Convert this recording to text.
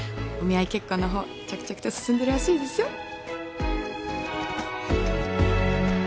お見合い結婚の方着々と進んでるらしいですよ。